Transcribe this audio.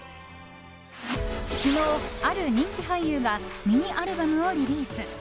昨日、ある人気俳優がミニアルバムをリリース。